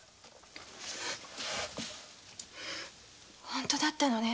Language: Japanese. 本当だったのね。